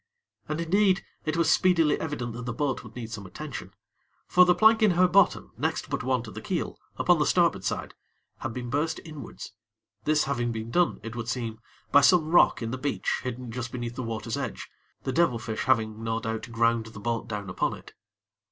And, indeed, it was speedily evident that the boat would need some attention; for the plank in her bottom next but one to the keel, upon the starboard side, had been burst inwards; this having been done, it would seem, by some rock in the beach hidden just beneath the water's edge, the devil fish having, no doubt, ground the boat down upon it.